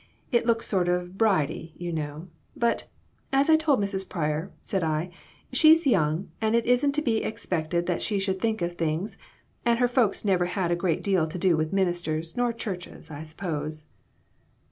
It looks so sort of bridey, you know. But, as I told Mrs. Pryor, said I, ' she's young, and it isn't to be expected that she should think of things; and her folks never had a great deal to do with ministers nor churches, I suppose.'